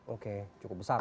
oke cukup besar